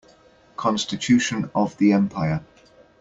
Constitution of the empire.